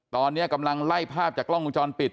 ตอนนี้กำลังไล่ภาพจากกล้องวงจรปิด